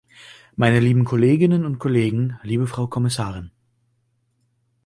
Meine lieben Kolleginnen und Kollegen, liebe Frau Kommissarin!